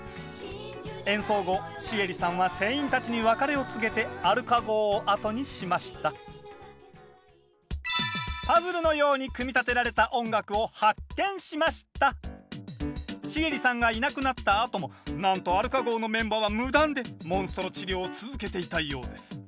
演奏後シエリさんは船員たちに別れを告げてアルカ号を後にしましたシエリさんがいなくなったあともなんとアルカ号のメンバーは無断でモンストロ治療を続けていたようです。